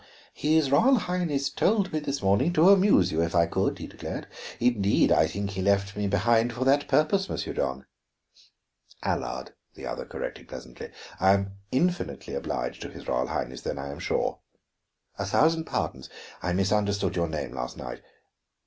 "His Royal Highness told me this morning to amuse you, if I could," he declared. "Indeed, I think he left me behind for that purpose, Monsieur John." "Allard," the other corrected pleasantly. "I am infinitely obliged to his Royal Highness, then, I am sure." "A thousand pardons; I misunderstood your name last night."